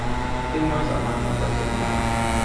ซึ่งไม่สามารถนำไปใช้งาน